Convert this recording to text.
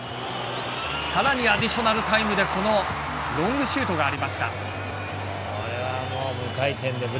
さらにアディショナルタイムでロングシュートがありました。